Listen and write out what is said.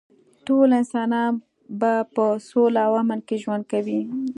ټول انسانان به په سوله او امن کې ژوند کوي